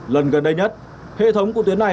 lần gần đây nhất hệ thống của tuyến này